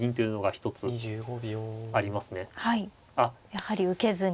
やはり受けずに。